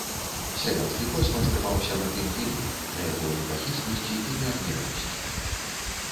Сялянскі космас трымаўся на тым гімне, на яго непахіснасці і неадменнасці.